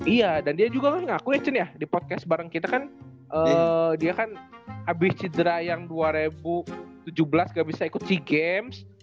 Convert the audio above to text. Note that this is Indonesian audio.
iya dan dia juga kan ngaku ya di podcast bareng kita kan dia kan habis cedera yang dua ribu tujuh belas gak bisa ikut sea games